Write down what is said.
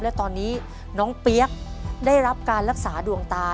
และตอนนี้น้องเปี๊ยกได้รับการรักษาดวงตา